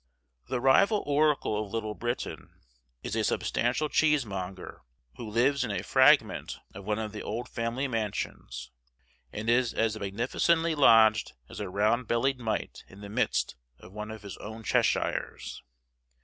The rival oracle of Little Britain is a substantial cheesemonger, who lives in a fragment of one of the old family mansions, and is as magnificently lodged as a round bellied mite in the midst of one of his own Cheshires.